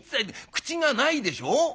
口がないでしょう？